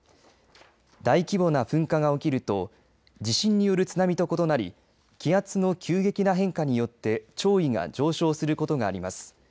大規模な噴火が起きると地震による津波と異なり気圧の急激な変化によって潮位が上昇することがあります。